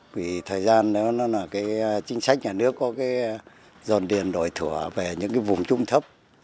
vì thời gian đó nó là cái chính sách nhà nước có cái dồn điền đổi thủa về những cái vùng trung thấp